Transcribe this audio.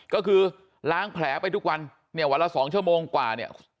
ก็คือล้างแผลไปทุกวันเนี่ยวันละ๒ชั่วโมงกว่าเนี่ย